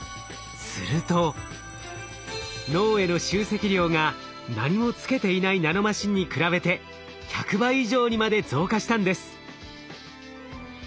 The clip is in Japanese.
すると脳への集積量が何もつけていないナノマシンに比べて１００倍以上にまで増加したんです。